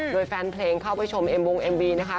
โดยแฟนเพลงเข้าไปชมเอ็มวงเอ็มวีนะคะ